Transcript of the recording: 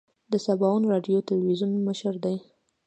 د سباوون راډیو تلویزون مشر دی.